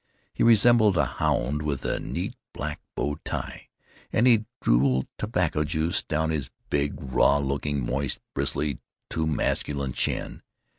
He resembled a hound with a neat black bow tie, and he drooled tobacco juice down his big, raw looking, moist, bristly, too masculine chin.